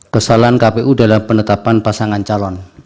kesalahan kpu dalam penetapan pasangan calon